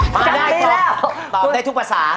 ตอบได้ทุกภาษา